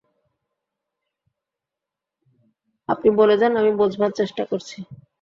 আপনি বলে যান, আমি বোঝবার চেষ্টা করছি।